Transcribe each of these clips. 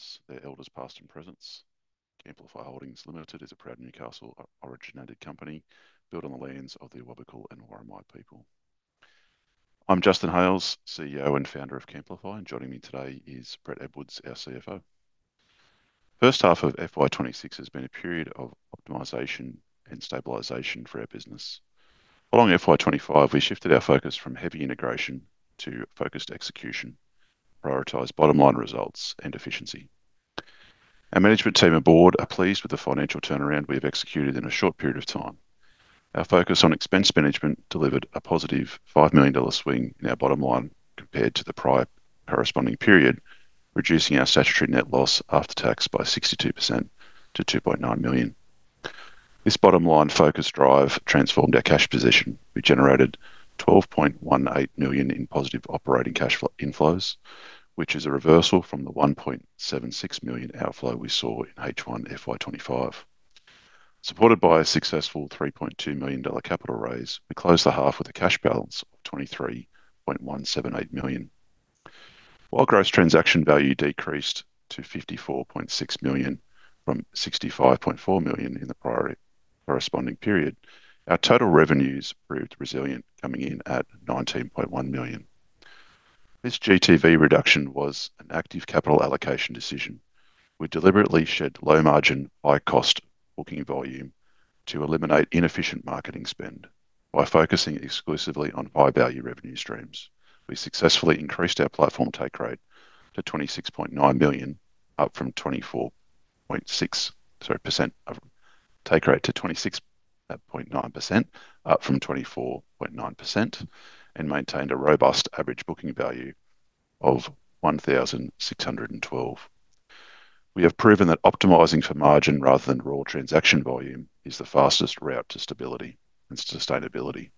owners, their elders, past and present. Camplify Holdings Limited is a proud Newcastle-originated company, built on the lands of the Awabakal and Worimi people. I'm Justin Hales, CEO and Founder of Camplify, and joining me today is Brett Edwards, our CFO. First half of FY 2026 has been a period of optimization and stabilization for our business. Along FY 2025, we shifted our focus from heavy integration to focused execution, prioritized bottom line results and efficiency. Our management team and board are pleased with the financial turnaround we have executed in a short period of time. Our focus on expense management delivered a positive 5 million dollar swing in our bottom line compared to the prior corresponding period, reducing our statutory net loss after tax by 62% to 2.9 million. This bottom-line focus drive transformed our cash position. We generated 12.18 million in positive operating cash inflows, which is a reversal from the 1.76 million outflow we saw in H1 FY 2025. Supported by a successful 3.2 million dollar capital raise, we closed the half with a cash balance of 23.178 million. While gross transaction value decreased to 54.6 million from 65.4 million in the prior corresponding period, our total revenues proved resilient, coming in at 19.1 million. This GTV reduction was an active capital allocation decision. We deliberately shed low margin, high cost booking volume to eliminate inefficient marketing spend. By focusing exclusively on high-value revenue streams, we successfully increased our platform take rate to 26.9 million, up from 24.6... Sorry, percent of take rate to 26.9%, up from 24.9%, and maintained a robust average booking value of 1,612. We have proven that optimizing for margin rather than raw transaction volume is the fastest route to stability and sustainability.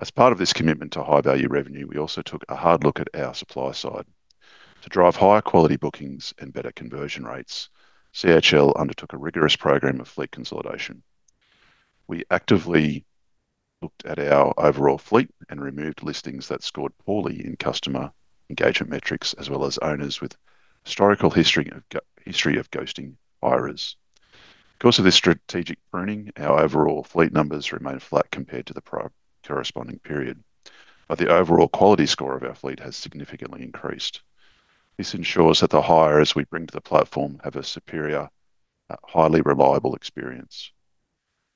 As part of this commitment to high-value revenue, we also took a hard look at our supply side. To drive higher quality bookings and better conversion rates, CHL undertook a rigorous program of fleet consolidation. We actively looked at our overall fleet and removed listings that scored poorly in customer engagement metrics, as well as owners with historical history of ghosting hirers. Of this strategic pruning, our overall fleet numbers remained flat compared to the prior corresponding period, but the overall quality score of our fleet has significantly increased. This ensures that the hirers we bring to the platform have a superior, highly reliable experience.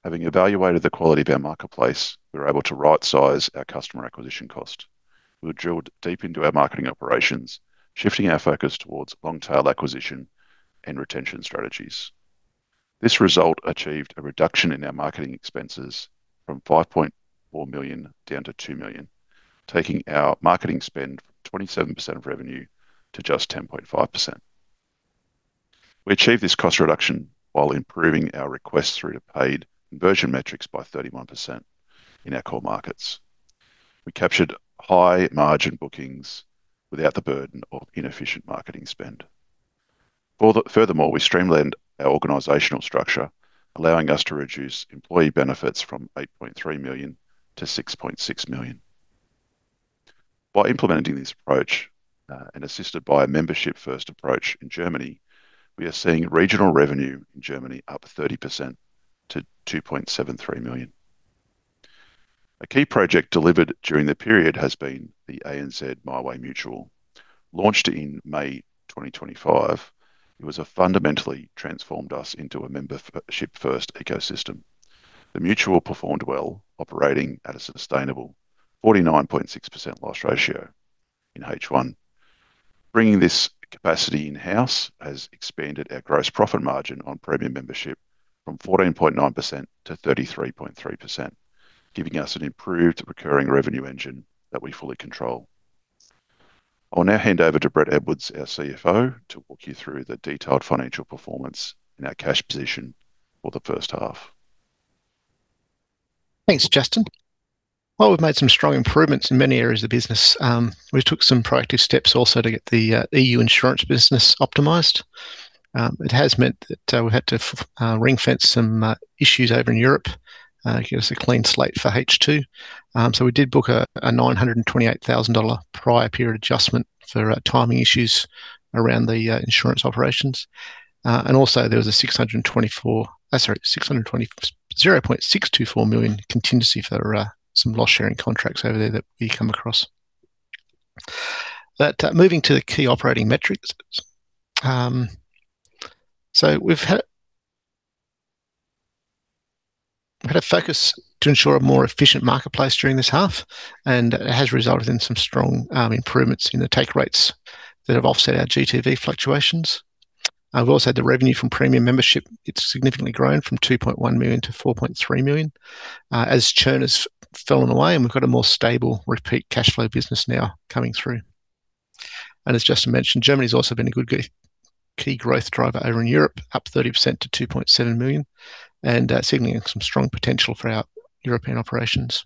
Having evaluated the quality of our marketplace, we were able to right-size our customer acquisition cost. We drilled deep into our marketing operations, shifting our focus towards long-tail acquisition and retention strategies. This result achieved a reduction in our marketing expenses from 5.4 million down to 2 million, taking our marketing spend from 27% of revenue to just 10.5%. We achieved this cost reduction while improving our request through to paid conversion metrics by 31% in our core markets. We captured high-margin bookings without the burden of inefficient marketing spend. Furthermore, we streamlined our organizational structure, allowing us to reduce employee benefits from 8.3 million to 6.6 million. By implementing this approach, and assisted by a membership-first approach in Germany, we are seeing regional revenue in Germany up 30% to 2.73 million. A key project delivered during the period has been the ANZ MyWay Mutual. Launched in May 2025, it was fundamentally transformed us into a membership-first ecosystem. The mutual performed well, operating at a sustainable 49.6% loss ratio in H1. Bringing this capacity in-house has expanded our gross profit margin on premium membership from 14.9% to 33.3%, giving us an improved recurring revenue engine that we fully control. I'll now hand over to Brett Edwards, our CFO, to walk you through the detailed financial performance and our cash position for the first half. Thanks, Justin. While we've made some strong improvements in many areas of the business, we took some proactive steps also to get the EU insurance business optimized. It has meant that we've had to ring-fence some issues over in Europe, give us a clean slate for H2. We did book a 928,000 dollar prior period adjustment for timing issues around the insurance operations. Also there was a 624, sorry, 0.624 million contingency for some loss-sharing contracts over there that we come across. Moving to the key operating metrics. We've had a focus to ensure a more efficient marketplace during this half, and it has resulted in some strong improvements in the take rates that have offset our GTV fluctuations. We've also had the revenue from premium membership. It's significantly grown from 2.1 million to 4.3 million as churn has fallen away, and we've got a more stable repeat cash flow business now coming through. As Justin mentioned, Germany's also been a good key growth driver over in Europe, up 30% to 2.7 million, and signaling some strong potential for our European operations.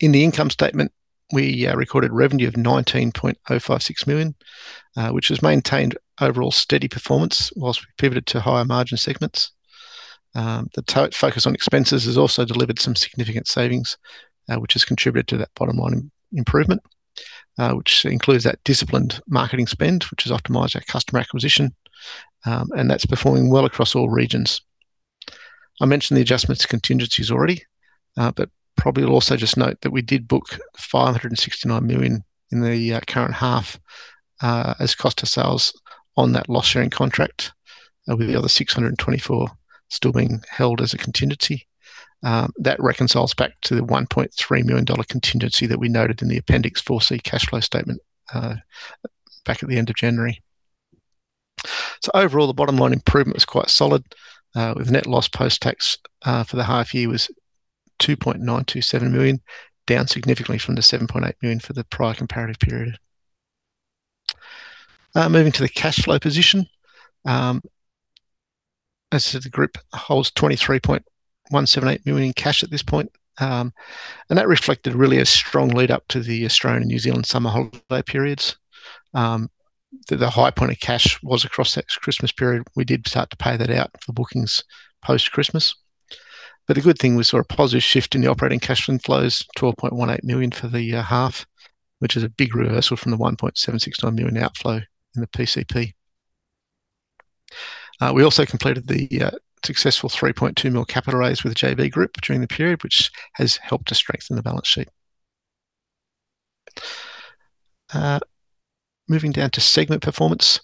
In the income statement, we recorded revenue of 19.056 million, which has maintained overall steady performance whilst we pivoted to higher margin segments. The focus on expenses has also delivered some significant savings, which has contributed to that bottom line improvement, which includes that disciplined marketing spend, which has optimized our customer acquisition, and that's performing well across all regions. I mentioned the adjustments to contingencies already, but probably I'll also just note that we did book 569 million in the current half, as cost of sales on that loss-sharing contract, with the other 0.624 million still being held as a contingency. That reconciles back to the 1.3 million dollar contingency that we noted in the Appendix 4C cash flow statement, back at the end of January. Overall, the bottom-line improvement was quite solid, with net loss post-tax for the half year was 2.927 million, down significantly from the 7.8 million for the prior comparative period. Moving to the cash flow position. As to the group holds 23.178 million in cash at this point. That reflected really a strong lead-up to the Australian and New Zealand summer holiday periods. The high point of cash was across that Christmas period. We did start to pay that out for bookings post-Christmas. The good thing, we saw a positive shift in the operating cash inflows, 12.18 million for the half, which is a big reversal from the 1.769 million outflow in the PCP. We also completed the successful 3.2 million capital raise with the JB Group during the period, which has helped to strengthen the balance sheet. Moving down to segment performance.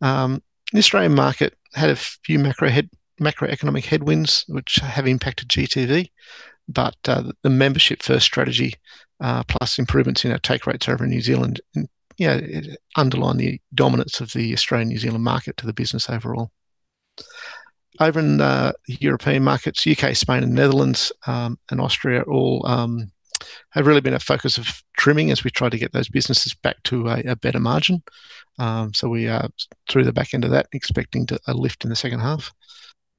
The Australian market had a few macroeconomic headwinds, which have impacted GTV, the membership-first strategy plus improvements in our take rates over in New Zealand, and underline the dominance of the Australian and New Zealand market to the business overall. Over in the European markets, U.K., Spain, and Netherlands, and Austria, all have really been a focus of trimming as we try to get those businesses back to a better margin. We are through the back end of that, expecting a lift in the second half.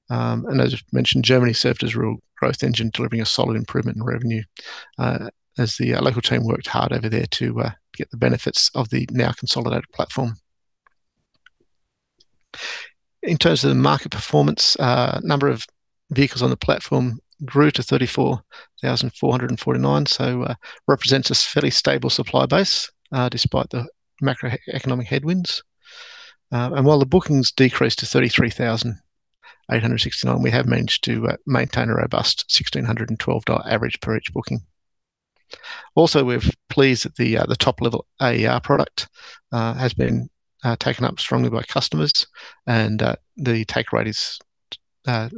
As I mentioned, Germany served as a real growth engine, delivering a solid improvement in revenue, as the local team worked hard over there to get the benefits of the now consolidated platform. In terms of the market performance, number of vehicles on the platform grew to 34,449, so represents a fairly stable supply base, despite the macroeconomic headwinds. While the bookings decreased to 33,869, we have managed to maintain a robust 1,612 dollar average per each booking. Also, we're pleased that the top-level AER product has been taken up strongly by customers, and the take rate is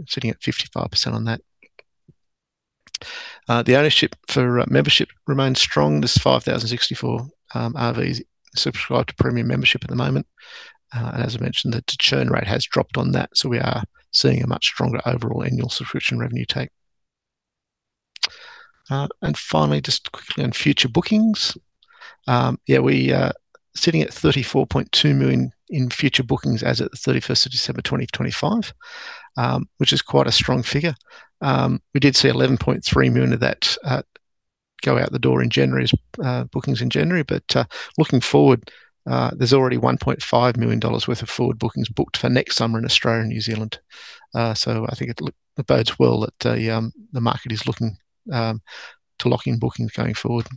sitting at 55% on that. The ownership for membership remains strong. There's 5,064 RVs subscribed to premium membership at the moment. As I mentioned, the churn rate has dropped on that. We are seeing a much stronger overall annual subscription revenue take. Finally, just quickly on future bookings. We are sitting at 34.2 million in future bookings as at the 31st of December 2025, which is quite a strong figure. We did see 11.3 million of that go out the door in January's bookings in January. Looking forward, there's already 1.5 million dollars worth of forward bookings booked for next summer in Australia and New Zealand. I think it bodes well that the market is looking to locking bookings going forward.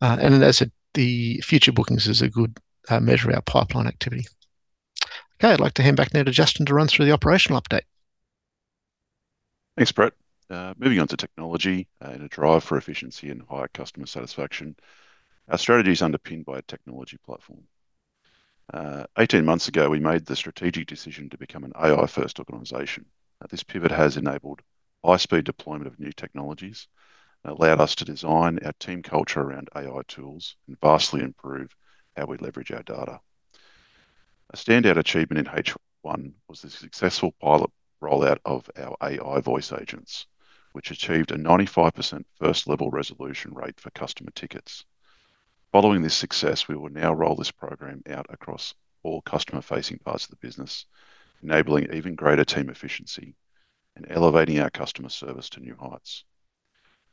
As I said, the future bookings is a good measure of our pipeline activity. Okay, I'd like to hand back now to Justin to run through the operational update. Thanks, Brett. Moving on to technology and a drive for efficiency and higher customer satisfaction. Our strategy is underpinned by a technology platform. 18 months ago, we made the strategic decision to become an AI-first organization. This pivot has enabled high-speed deployment of new technologies, allowed us to design our team culture around AI tools, and vastly improve how we leverage our data. A standout achievement in H1 was the successful pilot rollout of our AI voice agents, which achieved a 95% first-level resolution rate for customer tickets. Following this success, we will now roll this program out across all customer-facing parts of the business, enabling even greater team efficiency and elevating our customer service to new heights.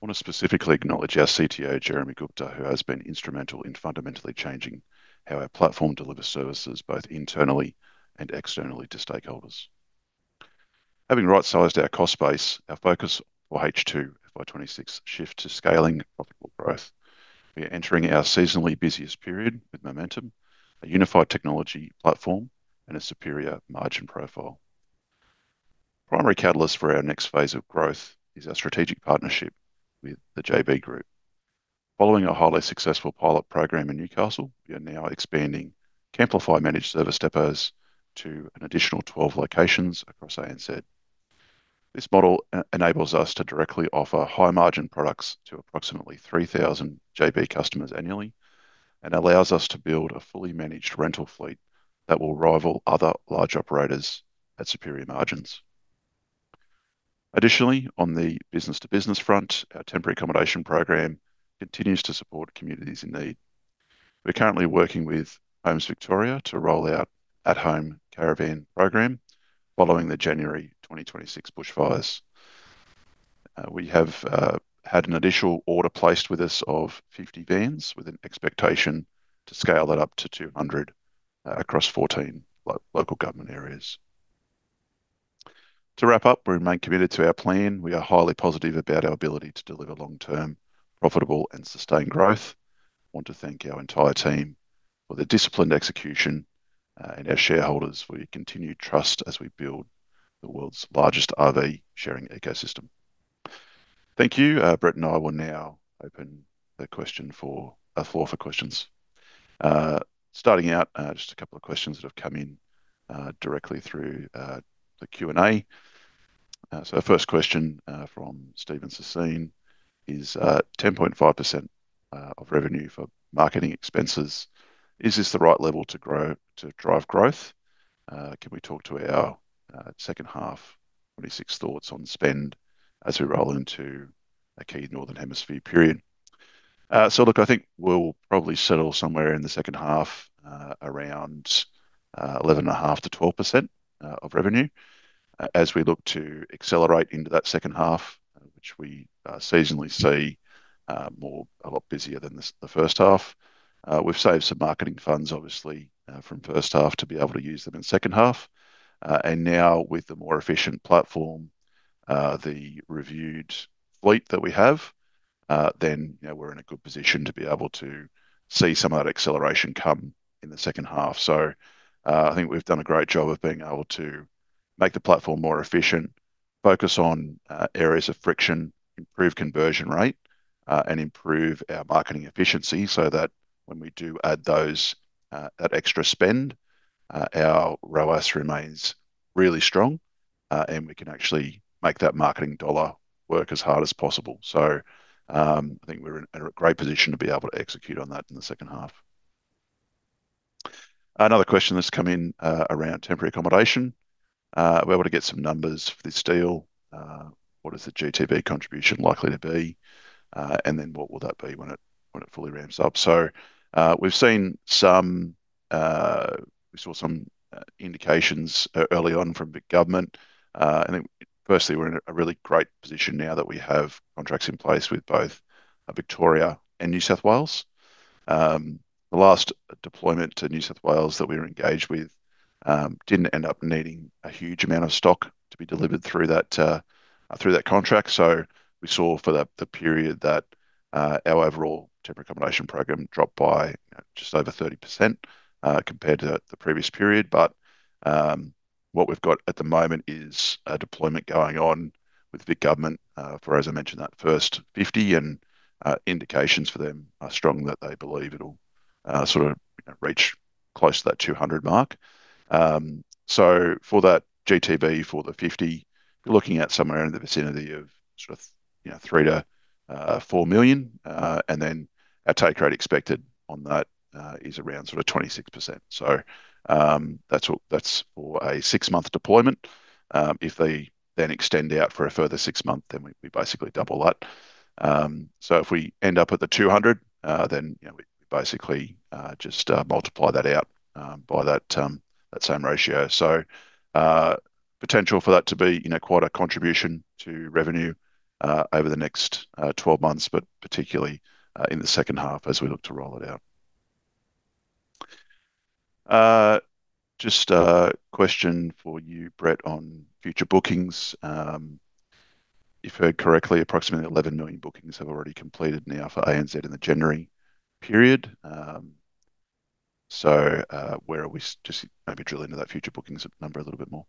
I want to specifically acknowledge our CTO, Jeremy Gupta, who has been instrumental in fundamentally changing how our platform delivers services, both internally and externally to stakeholders. Having right-sized our cost base, our focus for H2 by 2026 shifts to scaling profitable growth. We are entering our seasonally busiest period with momentum, a unified technology platform, and a superior margin profile. Primary catalyst for our next phase of growth is our strategic partnership with the JB Group. Following a highly successful pilot program in Newcastle, we are now expanding Camplify Managed Services depots to an additional 12 locations across ANZ. This model enables us to directly offer high-margin products to approximately 3,000 JB customers annually and allows us to build a fully managed rental fleet that will rival other large operators at superior margins. On the business-to-business front, our temporary accommodation program continues to support communities in need. We're currently working with Homes Victoria to roll out at-home caravan program following the January 2026 bushfires. We have had an initial order placed with us of 50 vans, with an expectation to scale that up to 200 across 14 local government areas. To wrap up, we remain committed to our plan. We are highly positive about our ability to deliver long-term, profitable, and sustained growth. I want to thank our entire team for their disciplined execution, and our shareholders for your continued trust as we build the world's largest RV sharing ecosystem. Thank you. Brett and I will now open the floor for questions. Starting out, just a couple of questions that have come in directly through the Q&A. Our first question from Steven Sassine is: 10.5% of revenue for marketing expenses, is this the right level to drive growth? Can we talk to our second half 2026 thoughts on spend as we roll into a key Northern Hemisphere period? Look, I think we'll probably settle somewhere in the second half, around 11.5%-12% of revenue. As we look to accelerate into that second half, which we seasonally see more a lot busier than the first half. We've saved some marketing funds, obviously, from first half to be able to use them in second half. Now with the more efficient platform, the reviewed fleet that we have, then, you know, we're in a good position to be able to see some of that acceleration come in the second half. I think we've done a great job of being able to make the platform more efficient, focus on areas of friction, improve conversion rate and improve our marketing efficiency. That when we do add those, that extra spend, our ROAS remains really strong, and we can actually make that marketing dollar work as hard as possible. I think we're in a great position to be able to execute on that in the second half. Another question that's come in around temporary accommodation. We're able to get some numbers for this deal. What is the GTV contribution likely to be? And then what will that be when it fully ramps up? We've seen some, we saw some indications early on from the government. We're in a really great position now that we have contracts in place with both Victoria and New South Wales. The last deployment to New South Wales that we were engaged with didn't end up needing a huge amount of stock to be delivered through that, through that contract. We saw for that, the period that our overall temporary accommodation program dropped by just over 30% compared to the previous period. What we've got at the moment is a deployment going on with the government for, as I mentioned, that first 50 and indications for them are strong, that they believe it'll sort of reach close to that 200 mark. For that GTV, for the 50, you're looking at somewhere in the vicinity of sort of 3 million-4 million. Our take rate expected on that is around 26%. That's for a six-month deployment. If they extend out for a further six months, we basically double that. If we end up at the 200, we basically multiply that out by that same ratio. Potential for that to be quite a contribution to revenue over the next 12 months, but particularly in the second half as we look to roll it out. Just a question for you, Brett, on future bookings. If heard correctly, approximately 11 million bookings have already completed now for ANZ in the January period. Just maybe drill into that future bookings number a little bit more.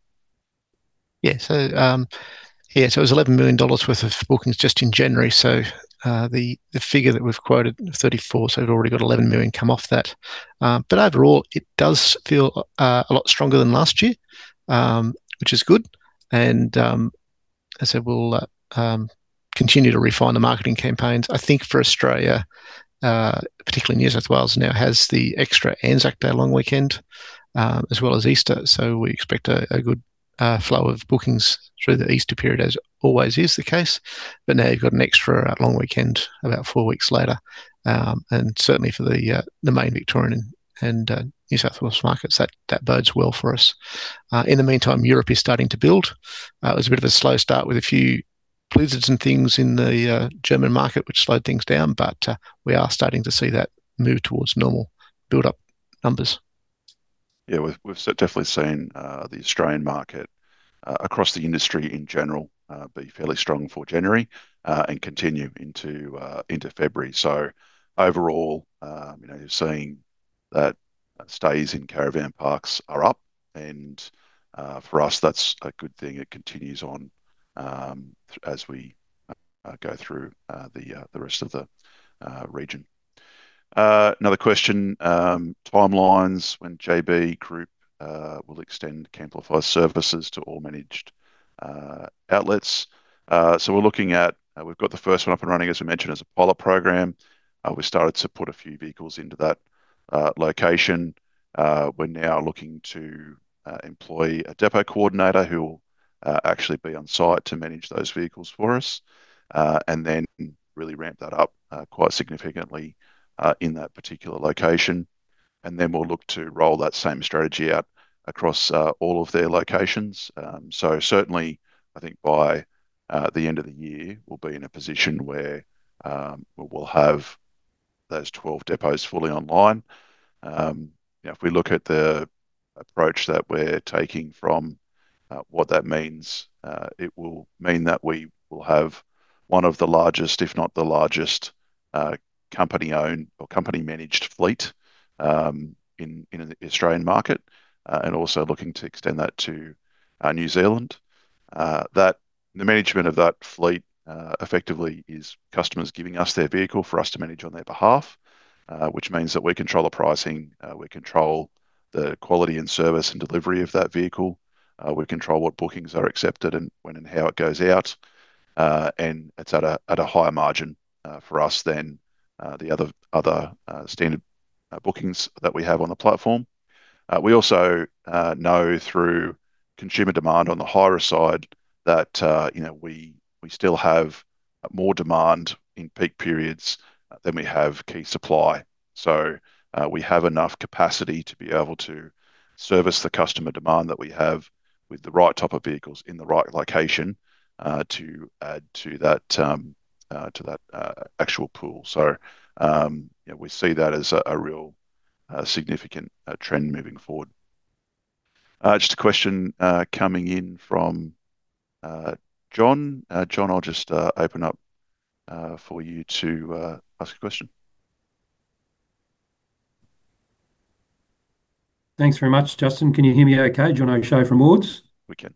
Yeah. Yeah, it was 11 million dollars worth of bookings just in January. The figure that was quoted, 34, so we've already got 11 million come off that. Overall, it does feel a lot stronger than last year, which is good. As I said, we'll continue to refine the marketing campaigns. I think for Australia, particularly New South Wales, now has the extra Anzac Day long weekend, as well as Easter. We expect a good flow of bookings through the Easter period, as always is the case, but now you've got an extra long weekend, about four weeks later. Certainly for the main Victorian and New South Wales markets, that bodes well for us. In the meantime, Europe is starting to build. It was a bit of a slow start with a few blizzards and things in the German market, which slowed things down. We are starting to see that move towards normal build-up numbers. We've definitely seen the Australian market across the industry in general be fairly strong for January and continue into February. Overall, you know, you're seeing that stays in caravan parks are up and for us, that's a good thing. It continues on as we go through the rest of the region. Another question. Timelines, when JB Group will extend Camplify services to all managed outlets. We're looking at... We've got the first one up and running, as we mentioned, as a pilot program. We started to put a few vehicles into that location. We're now looking to employ a depot coordinator who will actually be on site to manage those vehicles for us, really ramp that up quite significantly in that particular location. We'll look to roll that same strategy out across all of their locations. Certainly, I think by the end of the year, we'll be in a position where we will have those 12 depots fully online. If we look at the approach that we're taking from what that means, it will mean that we will have one of the largest, if not the largest, company-owned or company-managed fleet in the Australian market, and also looking to extend that to New Zealand. That, the management of that fleet, effectively is customers giving us their vehicle for us to manage on their behalf, which means that we control the pricing, we control the quality and service and delivery of that vehicle. We control what bookings are accepted and when and how it goes out. It's at a higher margin for us than the other standard bookings that we have on the platform. We also know through consumer demand on the higher side that, you know, we still have more demand in peak periods than we have key supply. We have enough capacity to be able to service the customer demand that we have with the right type of vehicles in the right location, to add to that, to that actual pool. Yeah, we see that as a real, significant trend moving forward. Just a question coming in from John. John, I'll just open up for you to ask a question. Thanks very much, Justin. Can you hear me okay, John O'Shea from Ord Minnett? We can.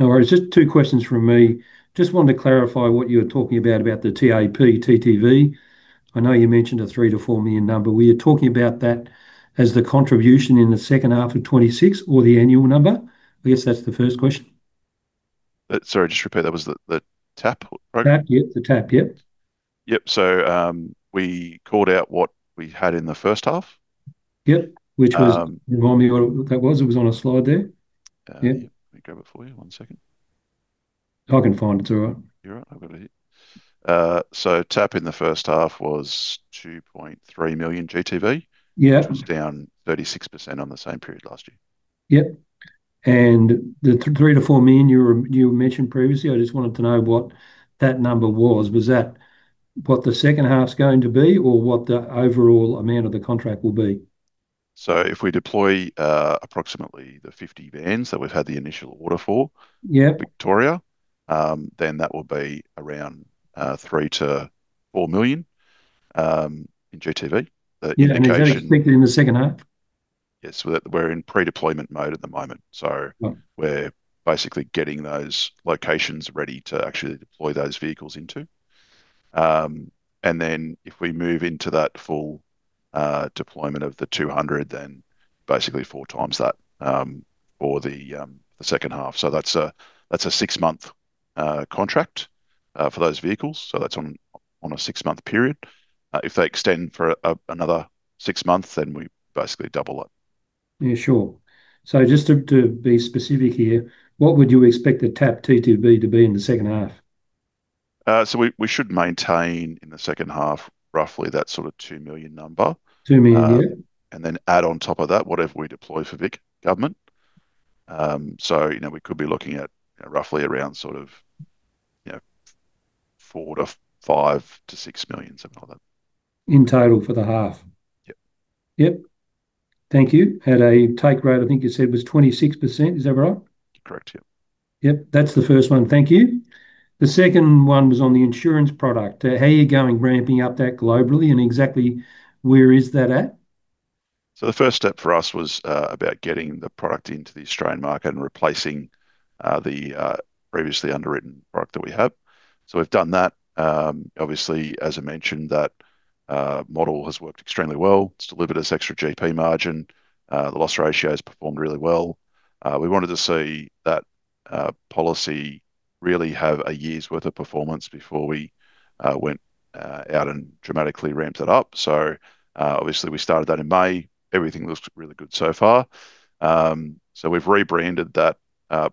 No worries. Just two questions from me. Just wanted to clarify what you were talking about the TAP GTV. I know you mentioned an 3 million-4 million number. Were you talking about that as the contribution in the second half of 2026 or the annual number? I guess that's the first question. sorry, just repeat, that was the TAP, right? TAP, yep, the TAP, yep. Yep. We called out what we had in the first half. Yep. Um- Which was, remind me what that was? It was on a slide there. Yeah. Let me grab it for you. One second. I can find it. It's all right. You're right. I've got it here. TAP in the first half was 2.3 million GTV- Yeah... which was down 36% on the same period last year. Yep, the 3 million-4 million you mentioned previously, I just wanted to know what that number was. Was that what the second half's going to be, or what the overall amount of the contract will be? If we deploy, approximately the 50 vans that we've had the initial order for. Yep... Victoria, then that will be around 3 million-4 million in GTV. Yeah, is that expected in the second half? Yes. We're in pre-deployment mode at the moment. We're basically getting those locations ready to actually deploy those vehicles into. If we move into that full deployment of the 200, then basically four times that for the second half. That's a six-month contract for those vehicles, so that's on on a six-month period. If they extend for another six months, then we basically double it. Yeah, sure. Just to be specific here, what would you expect the TAP GTV to be in the second half? We should maintain in the second half roughly that sort of 2 million number. 2 million, yeah. Then add on top of that whatever we deploy for Vic Government. You know, we could be looking at, roughly around sort of, you know, 4 million-5 million-AUD 6 million, something like that. In total for the half? Yep. Yep. Thank you. At a take rate, I think you said was 26%, is that right? Correct, yep. Yep, that's the first one. Thank you. The second one was on the insurance product. How are you going ramping up that globally, and exactly where is that at? The first step for us was about getting the product into the Australian market and replacing the previously underwritten product that we had. We've done that. Obviously, as I mentioned, that model has worked extremely well. It's delivered us extra GP margin. The loss ratio has performed really well. We wanted to see that policy really have a year's worth of performance before we went out and dramatically ramped it up. Obviously we started that in May. Everything looks really good so far. We've rebranded that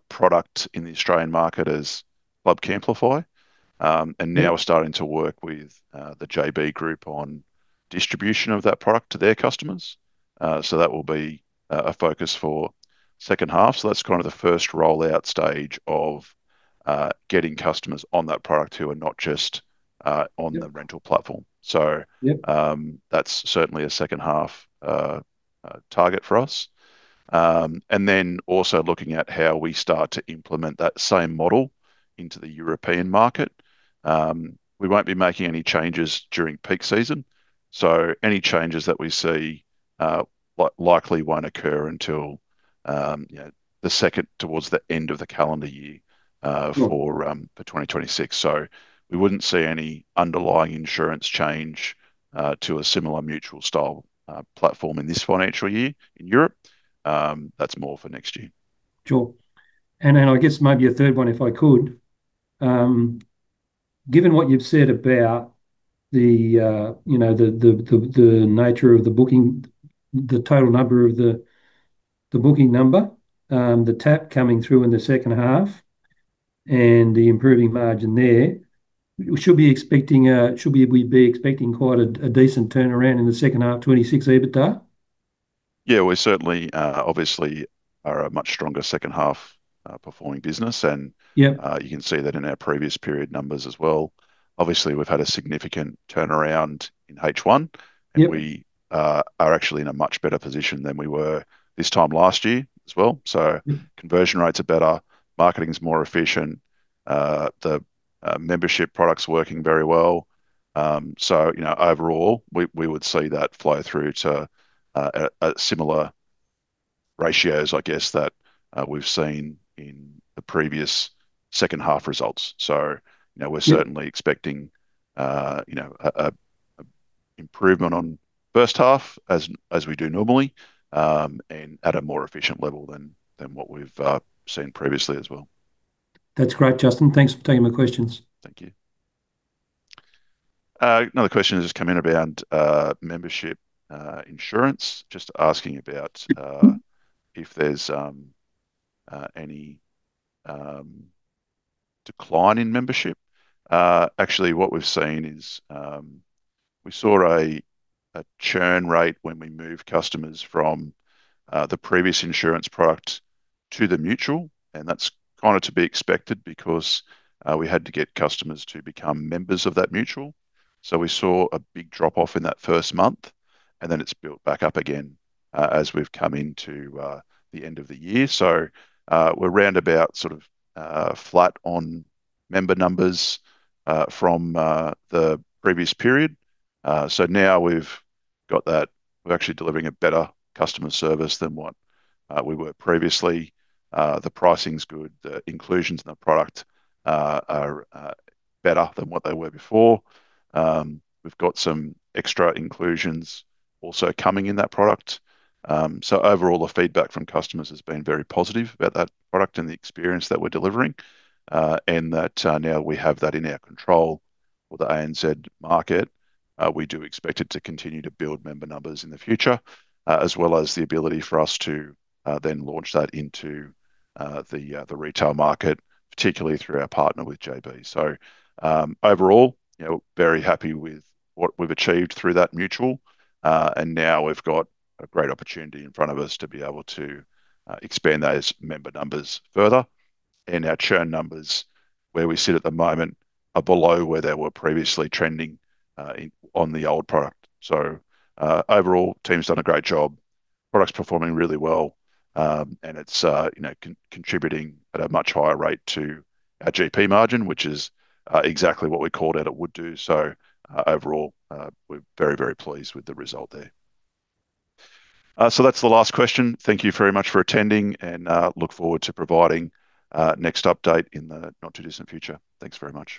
product in the Australian market as Bubs Amplify, and now we're starting to work with the JB Group on distribution of that product to their customers. That will be a focus for second half. That's kind of the first rollout stage of getting customers on that product who are not just the rental platform. That's certainly a second half target for us. Then also looking at how we start to implement that same model into the European market. We won't be making any changes during peak season, so any changes that we see, likely won't occur until, you know, the second towards the end of the calendar year for 2026. We wouldn't see any underlying insurance change to a similar mutual style platform in this financial year in Europe. That's more for next year. Sure. Then I guess maybe a third one, if I could. Given what you've said about the, you know, the nature of the booking, the total number of the booking number, the TAP coming through in the second half-... and the improving margin there, we should be expecting, should we be expecting quite a decent turnaround in the second half 2026 EBITDA? Yeah, we certainly, obviously are a much stronger second half, performing business. You can see that in our previous period numbers as well. Obviously, we've had a significant turnaround in H1. We are actually in a much better position than we were this time last year as well. Conversion rates are better, marketing is more efficient, the membership product's working very well. You know, overall, we would see that flow through to a similar ratios, I guess, that we've seen in the previous second half results. You know, we're certainly expecting, you know, a improvement on first half as we do normally, and at a more efficient level than what we've seen previously as well. That's great, Justin. Thanks for taking my questions. Thank you. Another question has just come in about membership insurance if there's any decline in membership. Actually, what we've seen is, we saw a churn rate when we moved customers from the previous insurance product to the mutual, and that's kind of to be expected because we had to get customers to become members of that mutual. We saw a big drop-off in that first month, and then it's built back up again as we've come into the end of the year. We're round about sort of flat on member numbers from the previous period. Now we've got that, we're actually delivering a better customer service than what we were previously. The pricing's good, the inclusions in the product are better than what they were before. We've got some extra inclusions also coming in that product. Overall, the feedback from customers has been very positive about that product and the experience that we're delivering, and that now we have that in our control for the ANZ market. We do expect it to continue to build member numbers in the future, as well as the ability for us to then launch that into the retail market, particularly through our partner with JB. Overall, you know, very happy with what we've achieved through that mutual, and now we've got a great opportunity in front of us to be able to expand those member numbers further. Our churn numbers, where we sit at the moment, are below where they were previously trending on the old product. Overall, team's done a great job. Product's performing really well, and it's, you know, contributing at a much higher rate to our GP margin, which is exactly what we called that it would do. Overall, we're very, very pleased with the result there. That's the last question. Thank you very much for attending, and look forward to providing next update in the not-too-distant future. Thanks very much.